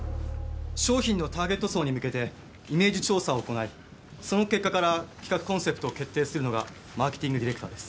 商品のターゲット層に向けてイメージ調査を行いその結果から企画コンセプトを決定するのがマーケティングディレクターです。